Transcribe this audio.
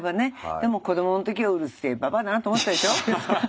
でも子どもの時はうるせえババアだなと思ったでしょ。